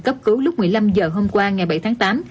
cấp cứu lúc một mươi năm h hôm qua ngày bảy tháng tám